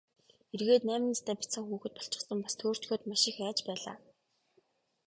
Эргээд найман настай бяцхан хүүхэд болчихсон, бас төөрчхөөд маш их айж байлаа.